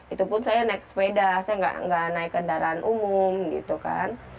itu pun saya naik sepeda saya nggak naik kendaraan umum gitu kan